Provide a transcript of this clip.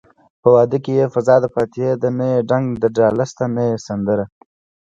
په واده کې يې فضادفاتحې ده نه يې ډنګ دډاله شته نه يې سندره